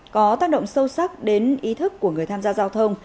có tác động sâu sắc đến ý thức của người tham gia giao thông